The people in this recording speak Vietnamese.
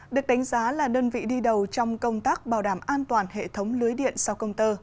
được đánh giá là đơn vị đi đầu trong công tác bảo đảm an toàn hệ thống lưới điện sau công tơ